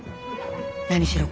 何しろ